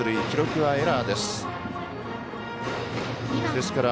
記録はエラーです。